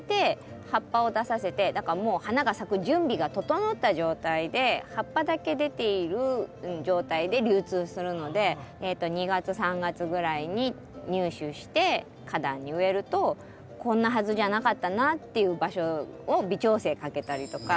だからもう花が咲く準備が整った状態で葉っぱだけ出ている状態で流通するので２月３月ぐらいに入手して花壇に植えるとこんなはずじゃなかったなっていう場所を微調整かけたりとか。